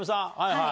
はい。